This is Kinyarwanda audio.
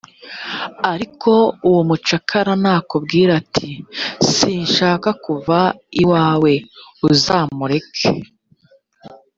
ariko uwo mucakara nakubwira ati «sinshaka kuva iwawe uzamureke»